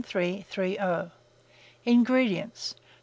INGREDIENTS.